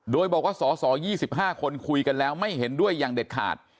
โดยบอกว่าสส๒๕คนคุยกันแล้วไม่เห็นด้วยอย่างเด็ดขาด